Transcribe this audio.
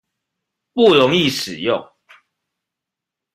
不容易使用